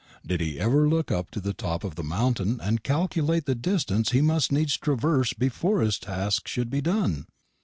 Did he ever look up to the top of the mountain and calculate the distance he must needs traverse before his task should be done?